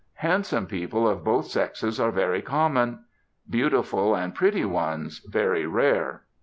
Handsome people of both sexes are very common; beautiful, and pretty, ones very rare....